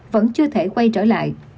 vẫn chưa thể quay trở lại